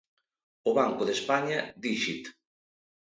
O Banco de España dixit.